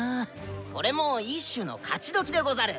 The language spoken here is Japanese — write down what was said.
これも一種の勝ちどきでござる！